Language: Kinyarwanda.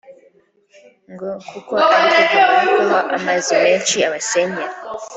ngo kuko ariko kamanukaho amazi menshi abasenyera